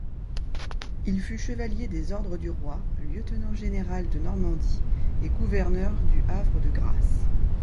Il fut chevalier des Ordres du Roy, lieutenant-général de Normandie et gouverneur du Havre-de-Grâce.